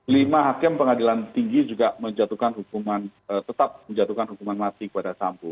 lima hakim pengadilan tinggi juga menjatuhkan hukuman tetap menjatuhkan hukuman mati kepada sampul